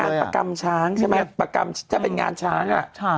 ของงานประกำช้างใช่ไหมประกำถ้าเป็นงานช้างใช่